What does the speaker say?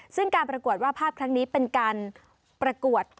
ซึ่งการประกวดว่าภาพครั้งนี้เป็นการประกวด